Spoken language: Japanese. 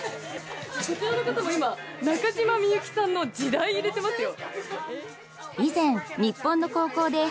こちらの方も今中島みゆきさんの「時代」入れてますよ。